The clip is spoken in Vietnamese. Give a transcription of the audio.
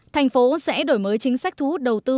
thành phố sẽ đổi mới chính sách thu hút đầu tư